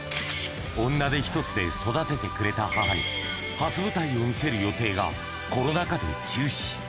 女手一つで育ててくれた母に、初舞台を見せる予定が、コロナ禍で中止。